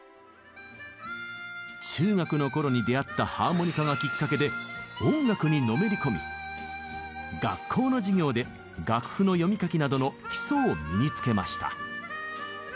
中学のころに出会ったハーモニカがきっかけで音楽にのめり込み学校の授業で楽譜の読み書きなどの基礎を身につけました。